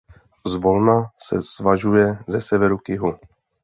Zvolna se svažuje ze severu k jihu.